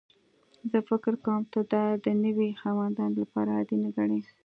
زه فکر کوم ته دا د نوي خاوندانو لپاره عادي نه ګڼې